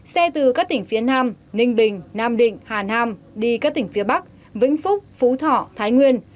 xe từ các tỉnh phía nam ninh bình nam định hà nam đi các tỉnh phía bắc vĩnh phúc phú thọ thái nguyên